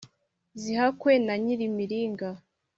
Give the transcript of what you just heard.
zihakwe na nyamiringa,